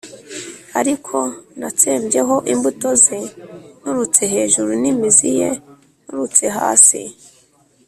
ariko natsembyeho imbuto ze nturutse hejuru n’imizi ye nturutse hasi.